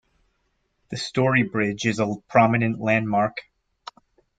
The Story Bridge is a prominent landmark.